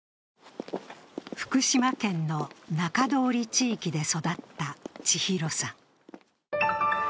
福島県の中通り地域で育った千尋さん。